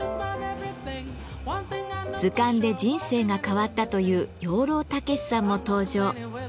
図鑑で人生が変わったという養老孟司さんも登場。